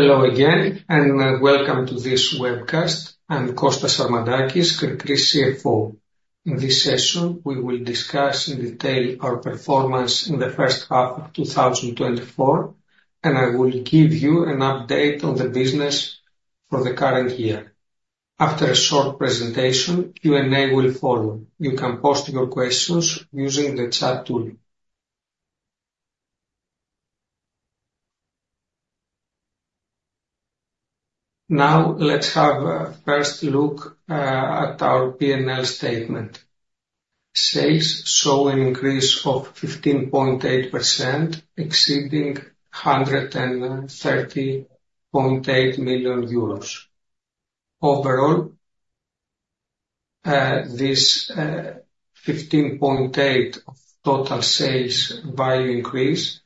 Hello again, and welcome to this webcast. I'm Kostas Sarmadakis, Kri-Kri CFO. In this session, we will discuss in detail our performance in the first half of two thousand and twenty-four, and I will give you an update on the business for the current year. After a short presentation, Q&A will follow. You can post your questions using the chat tool. Now, let's have a first look at our P&L statement. Sales saw an increase of 15.8%, exceeding EUR 130.8 million. Overall, this 15.8% of total sales value increase,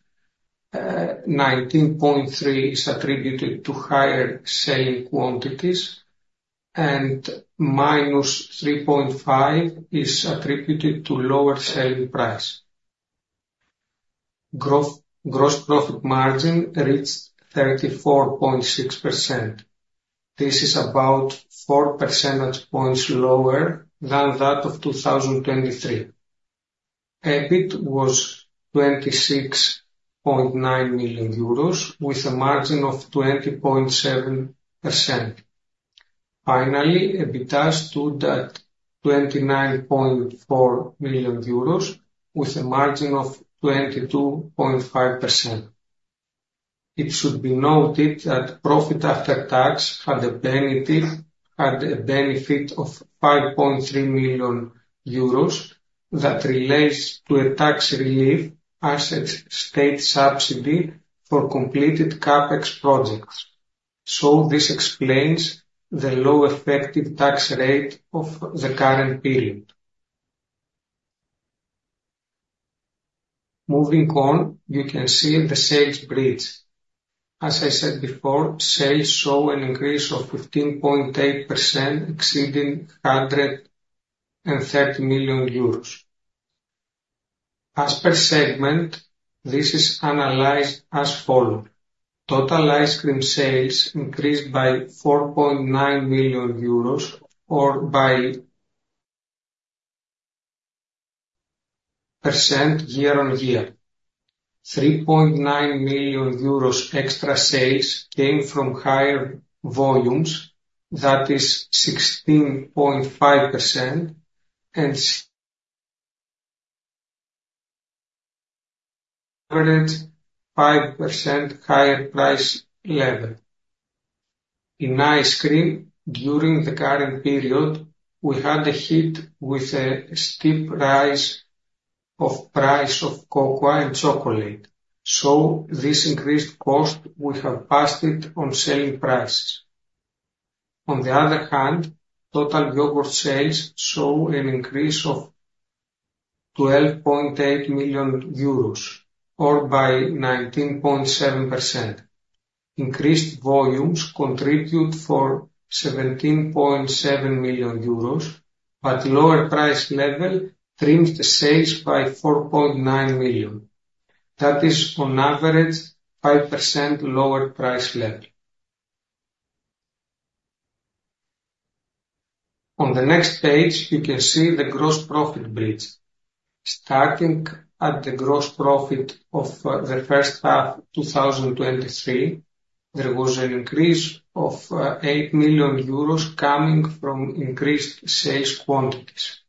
19.3% is attributed to higher selling quantities, and -3.5% is attributed to lower selling price. Gross profit margin reached 34.6%. This is about four percentage points lower than that of two thousand and twenty-three. EBIT was 26.9 million euros, with a margin of 20.7%. Finally, EBITA stood at EUR 29.4 million, with a margin of 22.5%. It should be noted that profit after tax had a benefit of 5.3 million euros that relates to a tax relief asset state subsidy for completed CapEx projects. This explains the low effective tax rate of the current period. Moving on, you can see the sales bridge. As I said before, sales saw an increase of 15.8%, exceeding 130 million euros. As per segment, this is analyzed as follow: Total ice cream sales increased by 4.9 million euros or by % year-on-year. 3.9 million euros extra sales came from higher volumes. That is 16.5% and 105% higher price level. In ice cream, during the current period, we had a hit with a steep rise of price of cocoa and chocolate. So this increased cost, we have passed it on selling prices. On the other hand, total yogurt sales saw an increase of 12.8 million euros, or by 19.7%. Increased volumes contribute for 17.7 million euros, but lower price level trimmed sales by 4.9 million. That is on average, 5% lower price level. On the next page, you can see the gross profit bridge. Starting at the gross profit of the first half 2023, there was an increase of 8 million euros coming from increased sales quantities.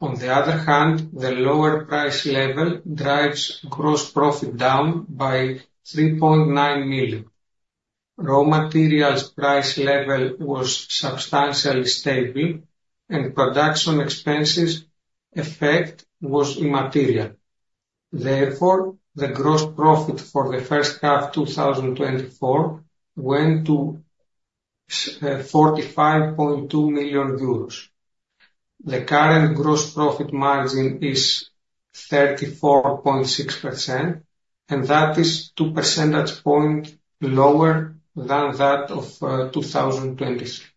On the other hand, the lower price level drives gross profit down by 3.9 million. Raw materials price level was substantially stable, and production expenses effect was immaterial. Therefore, the gross profit for the first half 2024 went to 45.2 million euros EUR. The current gross profit margin is 34.6%, and that is two percentage points lower than that of 2023.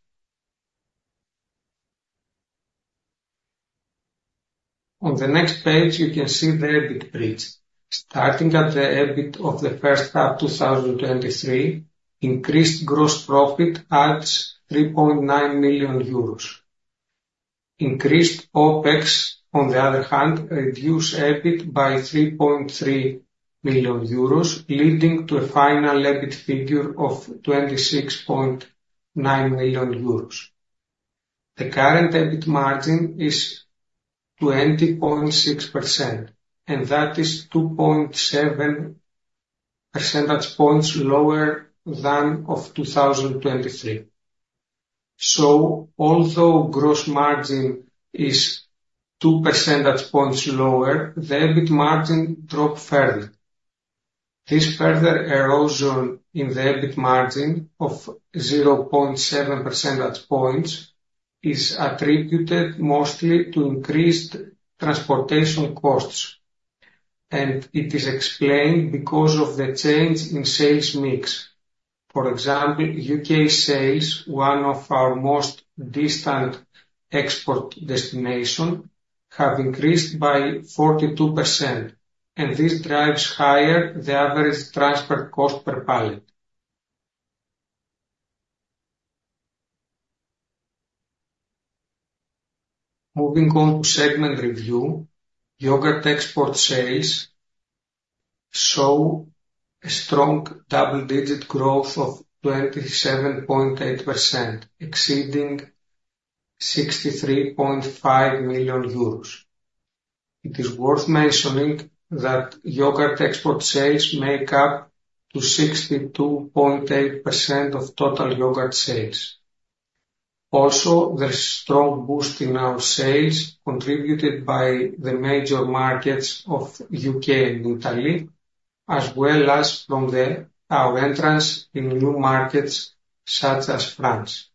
On the next page, you can see the EBIT bridge. Starting at the EBIT of the first half 2023, increased gross profit adds 3.9 million euros. Increased OPEX, on the other hand, reduced EBIT by 3.3 million euros, leading to a final EBIT figure of 26.9 million euros. The current EBIT margin is 20.6%, and that is 2.7% points lower than that of 2023. Although gross margin is 2% points lower, the EBIT margin dropped further. This further erosion in the EBIT margin of 0.7% points is attributed mostly to increased transportation costs, and it is explained because of the change in sales mix. For example, U.K. sales, one of our most distant export destinations, have increased by 42%, and this drives higher the average transport cost per pallet. Moving on to segment review, yogurt export sales show a strong double-digit growth of 27.8%, exceeding 63.5 million euros. It is worth mentioning that yogurt export sales make up 62.8% of total yogurt sales. Also, there's a strong boost in our sales, contributed by the major markets of U.K. and Italy, as well as from our entrance in new markets such as France.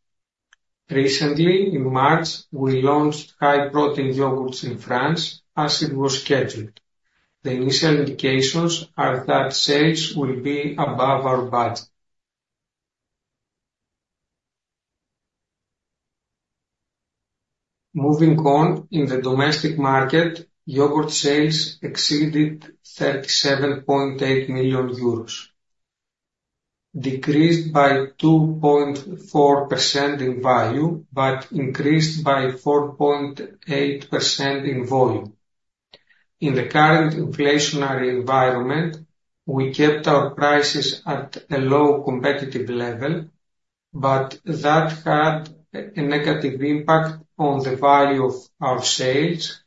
Recently, in March, we launched high-protein yogurts in France as it was scheduled. The initial indications are that sales will be above our budget. Moving on, in the domestic market, yogurt sales exceeded 37.8 million euros, decreased by 2.4% in value, but increased by 4.8% in volume. In the current inflationary environment, we kept our prices at a low competitive level, but that had a negative impact on the value of our sales,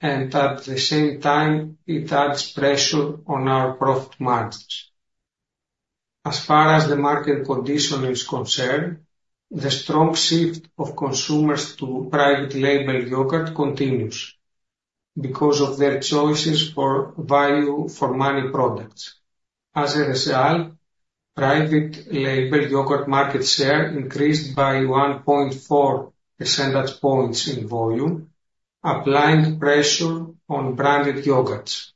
and at the same time, it adds pressure on our profit margins. As far as the market condition is concerned, the strong shift of consumers to private label yogurt continues because of their choices for value for many products. As a result, private label yogurt market share increased by 1.4 percentage points in volume, applying pressure on branded yogurts.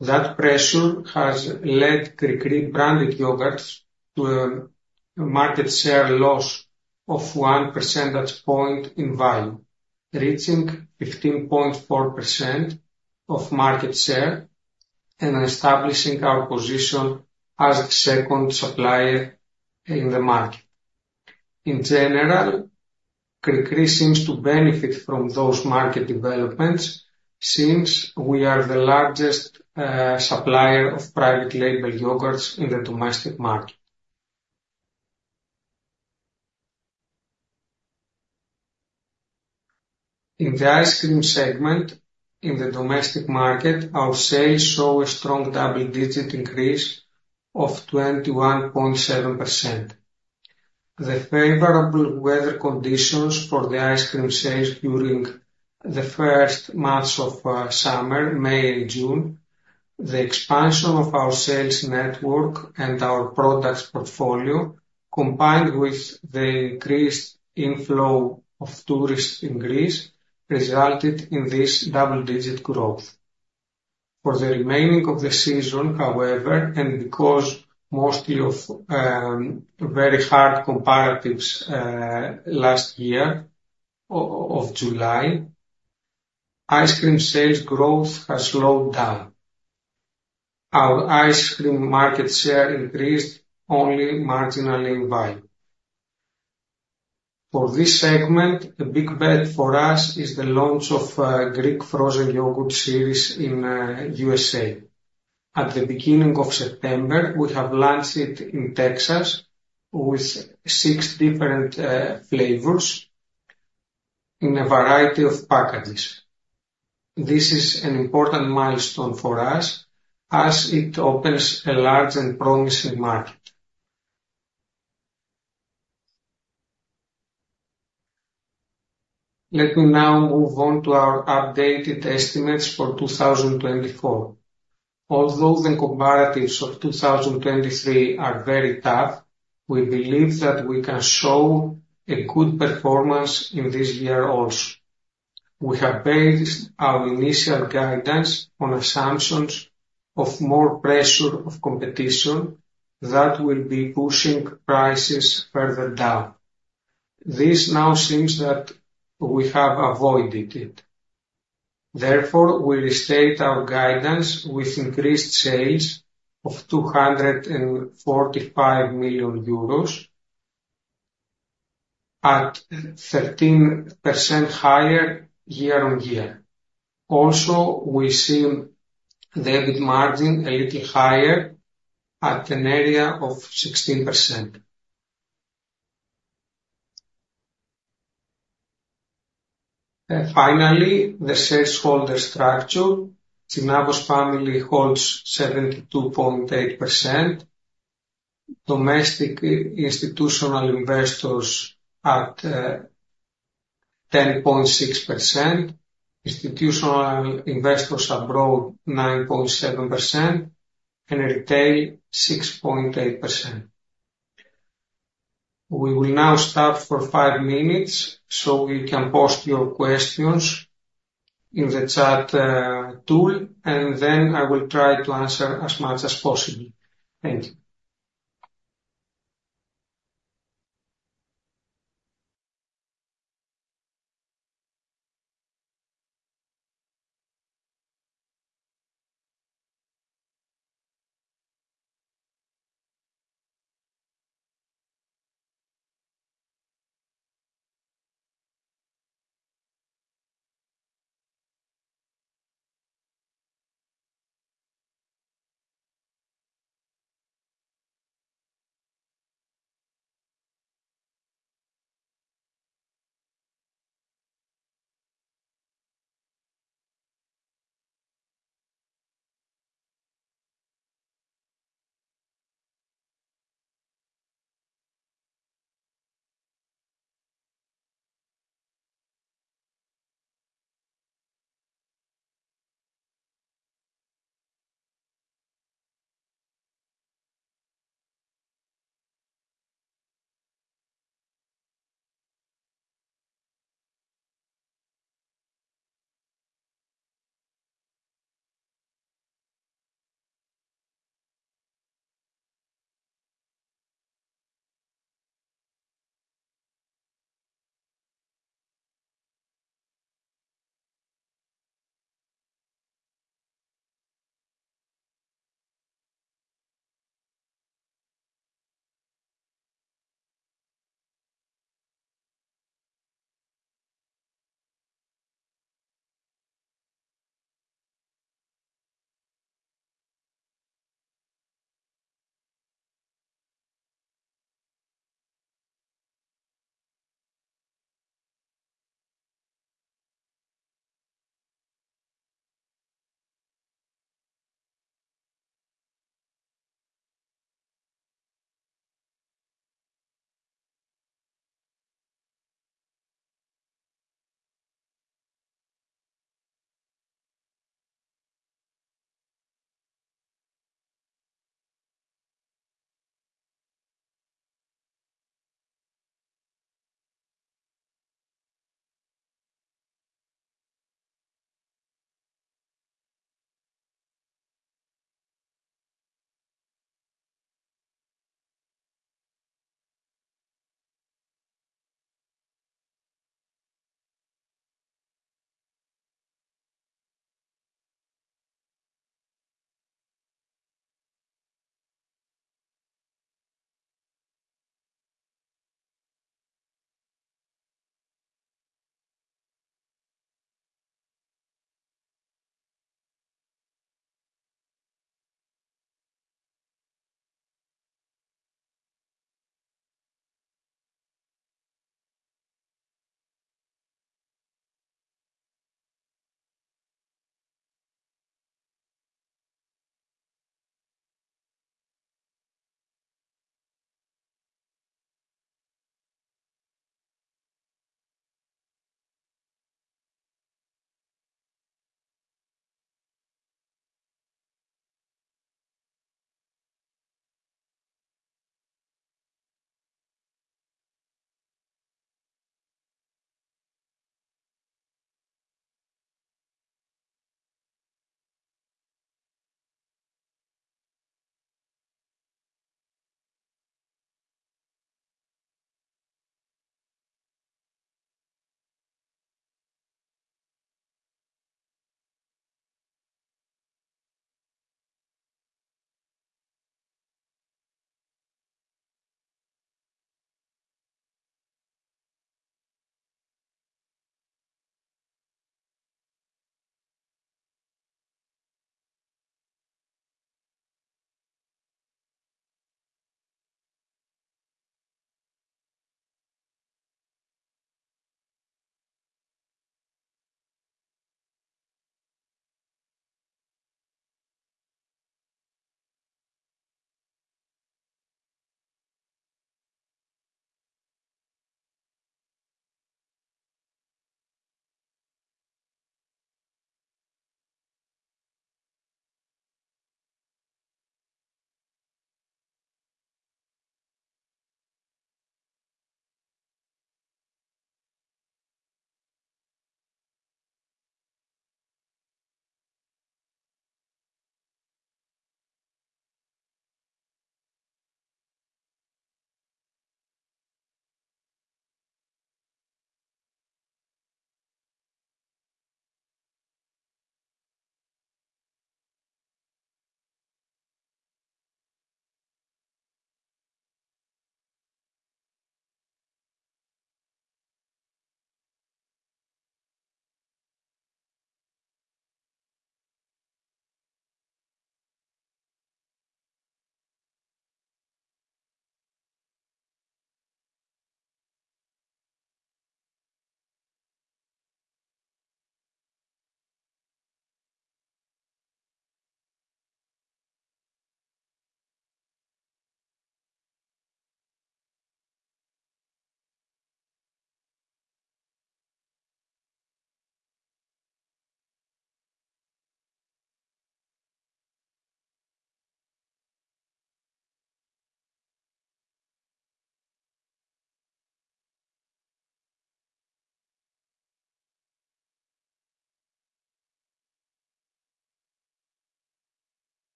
That pressure has led Kri-Kri branded yogurts to a market share loss of 1 percentage point in volume, reaching 15.4% of market share and establishing our position as second supplier in the market. In general, Kri-Kri seems to benefit from those market developments since we are the largest supplier of private label yogurts in the domestic market. In the ice cream segment, in the domestic market, our sales saw a strong double-digit increase of 21.7%. The favorable weather conditions for the ice cream sales during the first months of summer, May and June, the expansion of our sales network and our products portfolio, combined with the increased inflow of tourists in Greece, resulted in this double-digit growth. For the remaining of the season, however, and because mostly of very hard comparatives last year of July, ice cream sales growth has slowed down. Our ice cream market share increased only marginally in value. For this segment, a big bet for us is the launch of Greek frozen yogurt series in USA. At the beginning of September, we have launched it in Texas with six different flavors in a variety of packages. This is an important milestone for us as it opens a large and promising market. Let me now move on to our updated estimates for 2024. Although the comparatives of 2023 are very tough, we believe that we can show a good performance in this year also. We have based our initial guidance on assumptions of more pressure of competition that will be pushing prices further down. This now seems that we have avoided it. Therefore, we restate our guidance with increased sales of 245 million euros at 13% higher year on year. Also, we see the EBIT margin a little higher at an area of 16%. And finally, the shareholder structure. Tsinavos family holds 72.8%, domestic institutional investors at 10.6%, institutional investors abroad 9.7%, and retail 6.8%. We will now stop for five minutes, so you can post your questions in the chat tool, and then I will try to answer as much as possible. Thank you.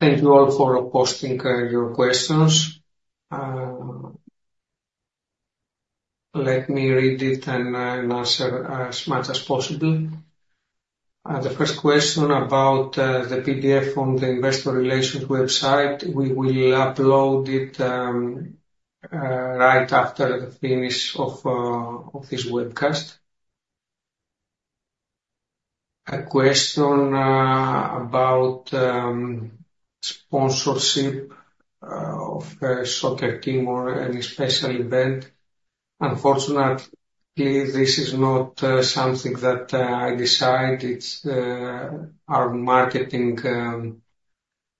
Thank you all for posting your questions. Let me read it and answer as much as possible. The first question about the PDF on the investor relations website, we will upload it right after the finish of this webcast. A question about sponsorship of a soccer team or any special event. Unfortunately, this is not something that I decide. It's our marketing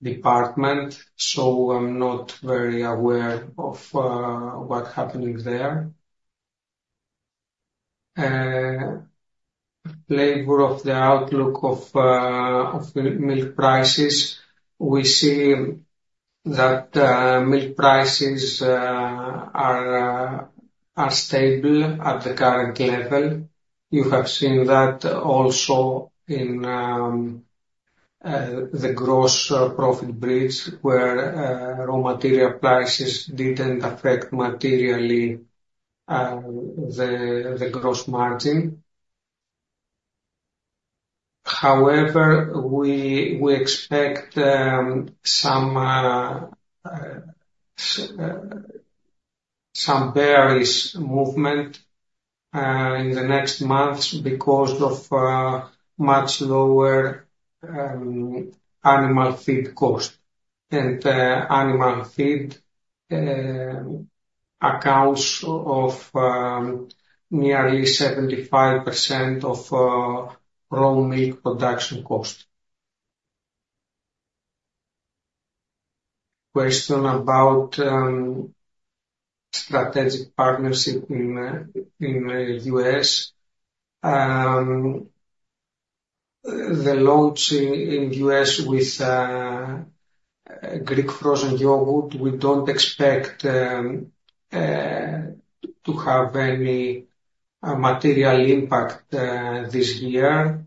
department, so I'm not very aware of what's happening there. For the outlook of milk prices. We see that milk prices are stable at the current level. You have seen that also in the gross profit bridge, where raw material prices didn't affect materially the gross margin. However, we expect some bearish movement in the next months because of much lower animal feed cost. Animal feed accounts for nearly 75% of raw milk production cost. Question about strategic partnership in U.S. The launch in U.S. with Greek frozen yogurt, we don't expect to have any material impact this year.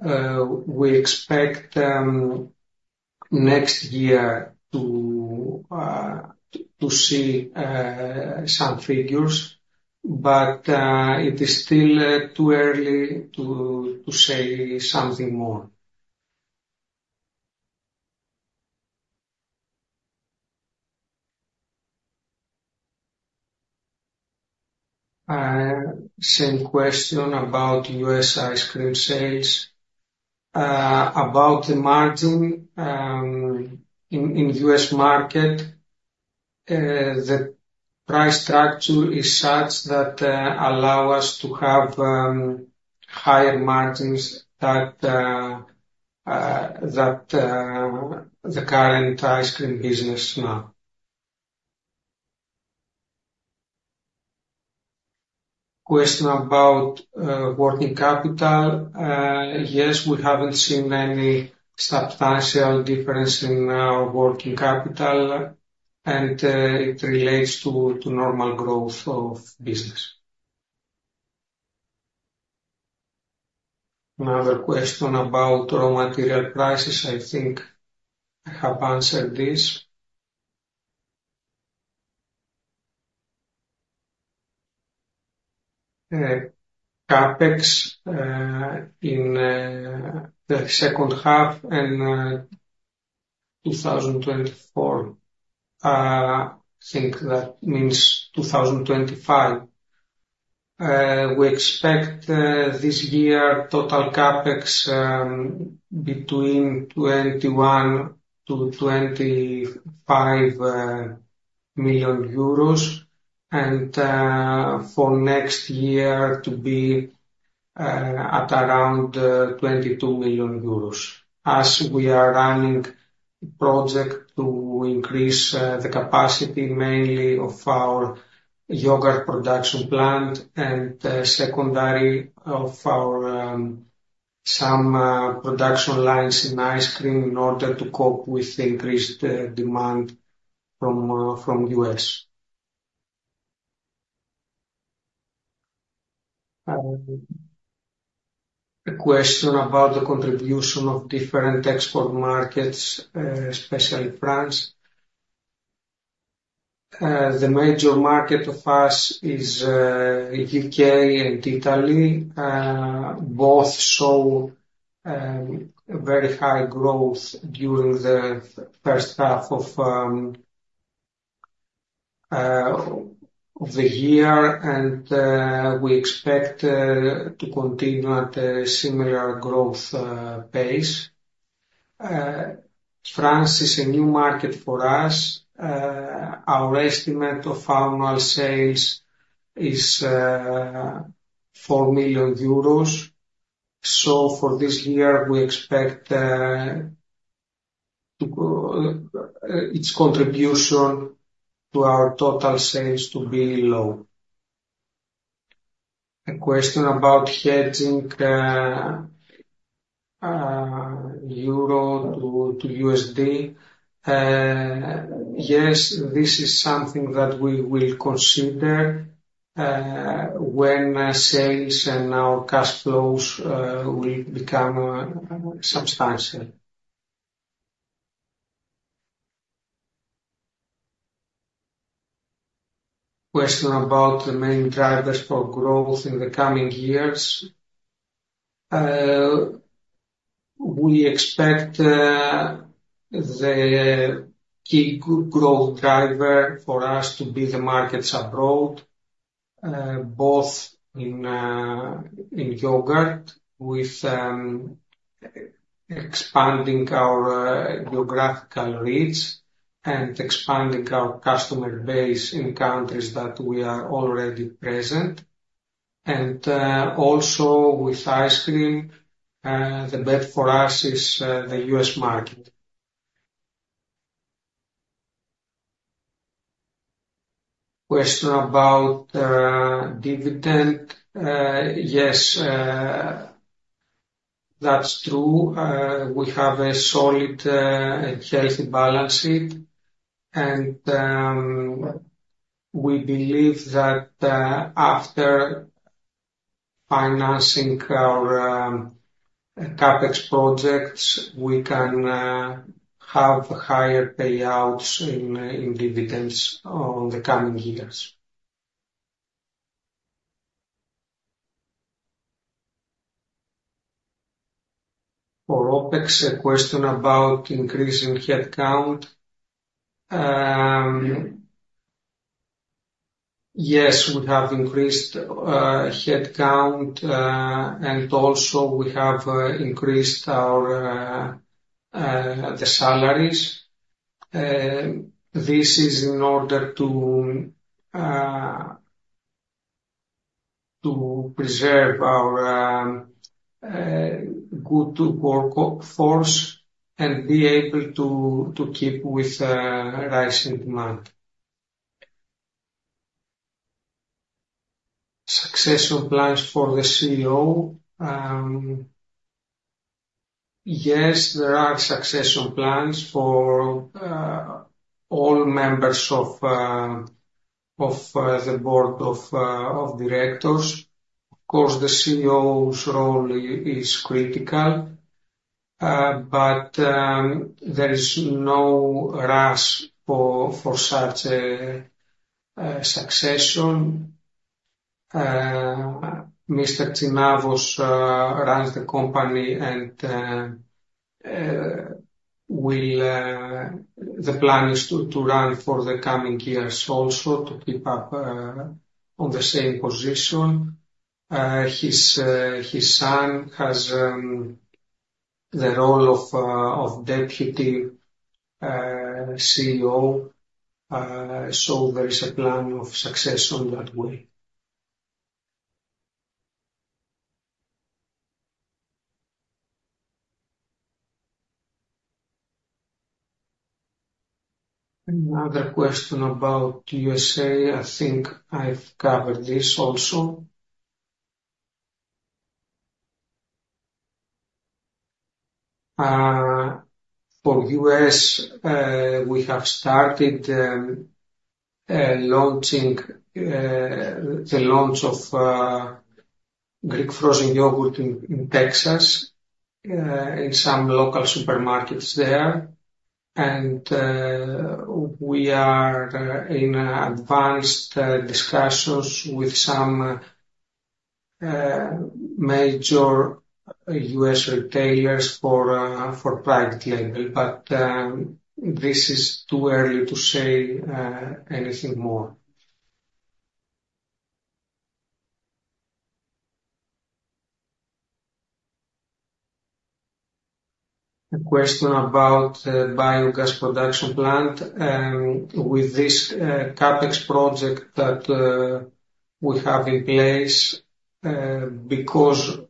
We expect next year to see some figures, but it is still too early to say something more. Same question about U.S. ice cream sales. About the margin in U.S. market, the price structure is such that allow us to have higher margins than that the current ice cream business now. Question about working capital. Yes, we haven't seen any substantial difference in our working capital, and it relates to normal growth of business. Another question about raw material prices. I think I have answered this. CapEx in the second half in two thousand and twenty-four. I think that means two thousand and twenty-five. We expect this year total CapEx between 21-25 million euros, and for next year to be at around 22 million euros, as we are running project to increase the capacity mainly of our yogurt production plant and secondary of our some production lines in ice cream in order to cope with the increased demand from U.S. A question about the contribution of different export markets, especially France. The major market of us is U.K. and Italy. Both saw very high growth during the first half of the year, and we expect to continue at a similar growth pace. France is a new market for us. Our estimate of annual sales is 4 million euros. So for this year, we expect its contribution to our total sales to be low. A question about hedging EUR to USD. Yes, this is something that we will consider when sales and our cash flows will become substantial. Question about the main drivers for growth in the coming years. We expect the key growth driver for us to be the markets abroad, both in yogurt, with expanding our geographical reach and expanding our customer base in countries that we are already present, and also with ice cream, the bet for us is the U.S. market. Question about dividend. Yes, that's true. We have a solid and healthy balance sheet, and we believe that, after financing our CapEx projects, we can have higher payouts in dividends on the coming years. For OpEx, a question about increase in headcount. Yes, we have increased headcount, and also we have increased our salaries. This is in order to preserve our good work force and be able to keep with rising demand. Succession plans for the CEO. Yes, there are succession plans for all members of the board of directors. Of course, the CEO's role is critical, but there is no rush for such a succession. Mr. Tsinavos runs the company, and will. The plan is to run for the coming years also, to keep up on the same position. His son has the role of deputy CEO, so there is a plan of success on that way. Another question about USA. I think I've covered this also. For U.S., we have started launching the launch of Greek frozen yogurt in Texas in some local supermarkets there. And we are in advanced discussions with some major U.S. retailers for private label, but this is too early to say anything more. A question about the biogas production plant. With this CapEx project that we have in place, because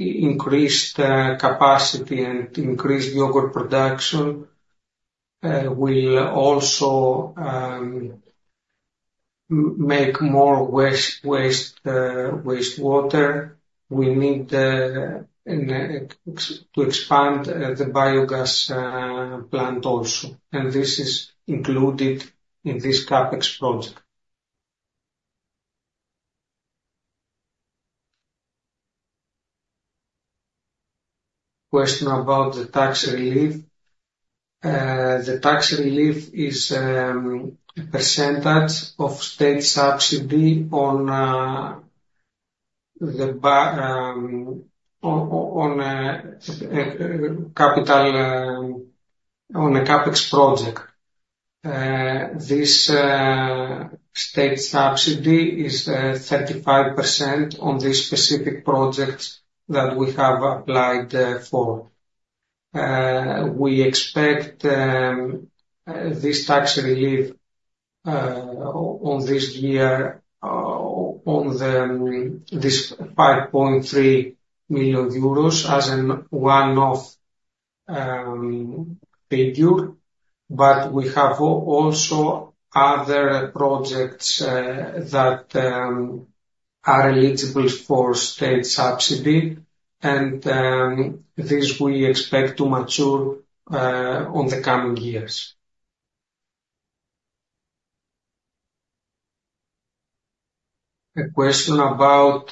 increased capacity and increased yogurt production will also make more waste, wastewater. We need to expand the biogas plant also, and this is included in this CapEx project. Question about the tax relief. The tax relief is a percentage of state subsidy on capital on a CapEx project. This state subsidy is 35% on the specific projects that we have applied for. We expect this tax relief on this year on the 5.3 million euros as a one-off figure. But we have also other projects that are eligible for state subsidy, and this we expect to mature on the coming years. A question about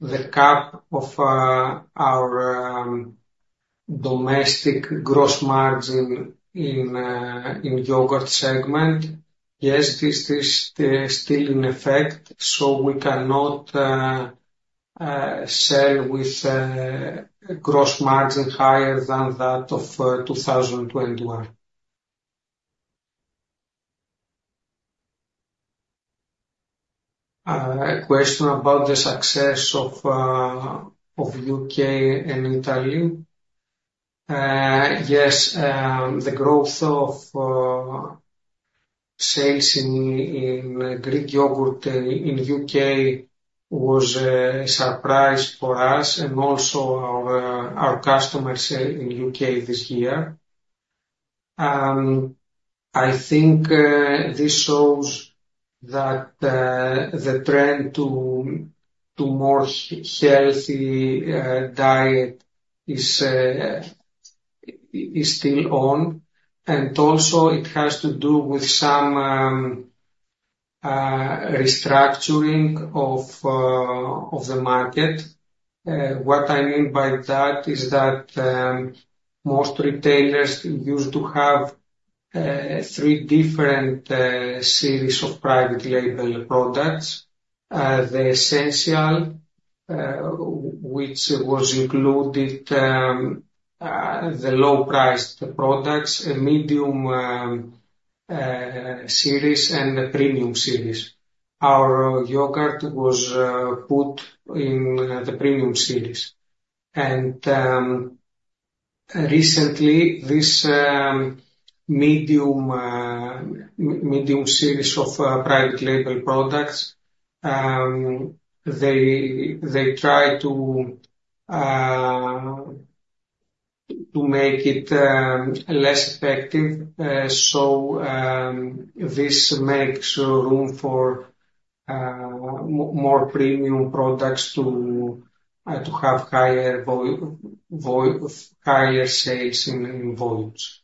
the cap of our domestic gross margin in yogurt segment. Yes, this is still in effect, so we cannot sell with a gross margin higher than that of 2021. A question about the success of U.K. and Italy. Yes, the growth of sales in Greek yogurt in U.K. was a surprise for us and also our customers in U.K. this year. I think this shows that the trend to more healthy diet is still on, and also it has to do with some restructuring of the market. What I mean by that is that most retailers used to have three different series of private label products. The essential, which included the low-priced products, a medium series, and a premium series. Our yogurt was put in the premium series. Recently, this medium series of private label products, they try to make it less effective. So, this makes room for more premium products to have higher volume, higher sales in volumes.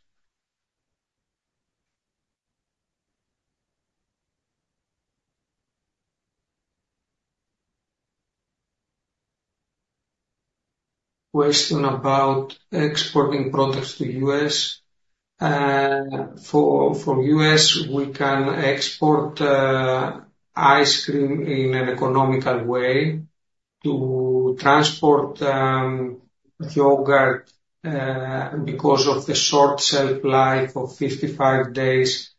Question about exporting products to U.S. and for U.S., we can export ice cream in an economical way. To transport yogurt, because of the short shelf life of 55 days,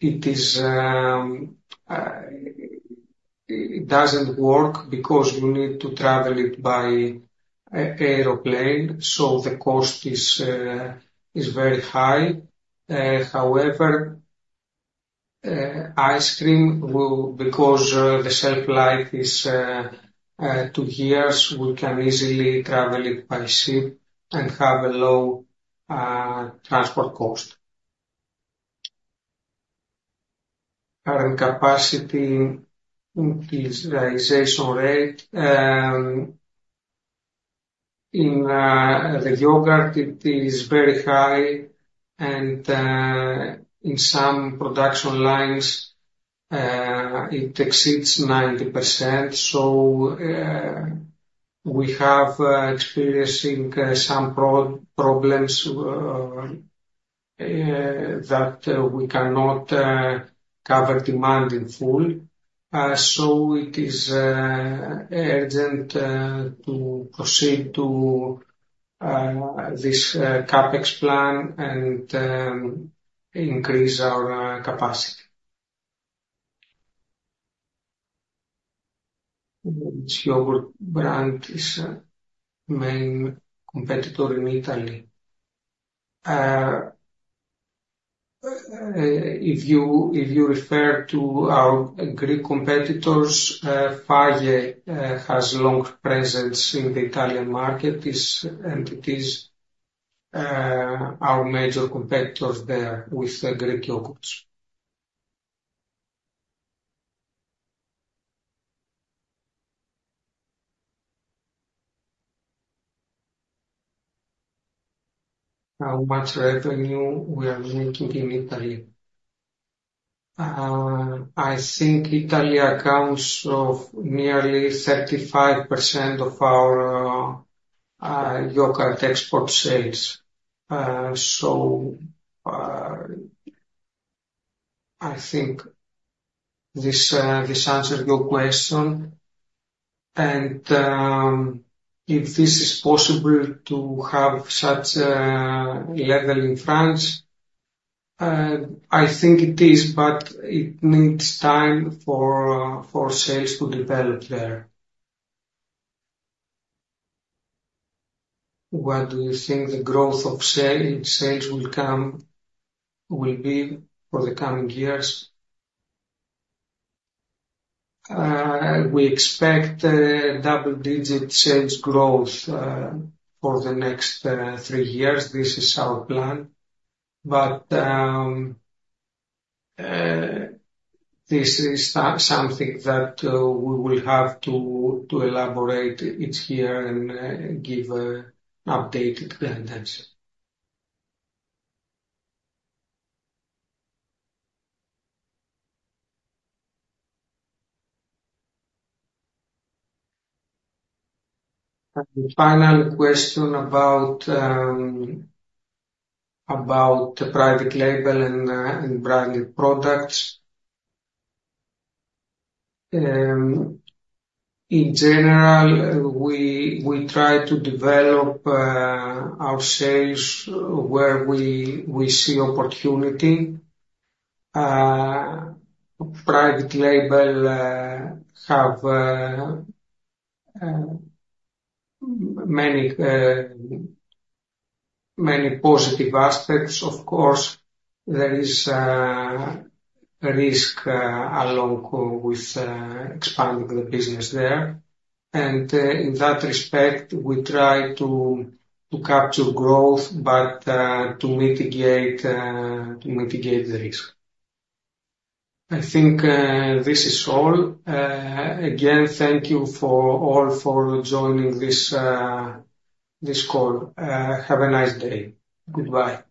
it doesn't work because you need to travel it by airplane, so the cost is very high. However, ice cream will because the shelf life is two years, we can easily travel it by ship and have a low transport cost. Current capacity utilization rate. In the yogurt, it is very high, and in some production lines, it exceeds 90%. So we have experiencing some problems that we cannot cover demand in full. So it is urgent to proceed to this CapEx plan and increase our capacity. Which yogurt brand is main competitor in Italy? If you refer to our Greek competitors, Fage has long presence in the Italian market, and it is our major competitor there with the Greek yogurts. How much revenue we are making in Italy? I think Italy accounts of nearly 35% of our yogurt export sales. So I think this answer your question. If this is possible to have such a level in France, I think it is, but it needs time for sales to develop there. What do you think the growth of sales will be for the coming years? We expect double-digit sales growth for the next three years. This is our plan. This is something that we will have to elaborate each year and give updated guidance. The final question about private label and branded products. In general, we try to develop our sales where we see opportunity. Private label have many positive aspects. Of course, there is risk along with expanding the business there. And, in that respect, we try to capture growth, but to mitigate the risk. I think this is all. Again, thank you all for joining this call. Have a nice day. Goodbye.